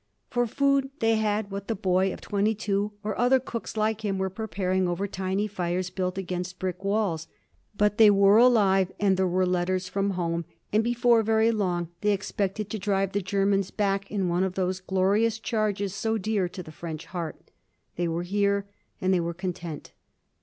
For food they had what the boy of twenty two or other cooks like him were preparing over tiny fires built against brick walls. But they were alive, and there were letters from home, and before very long they expected to drive the Germans back in one of those glorious charges so dear to the French heart. They were here, and they were content.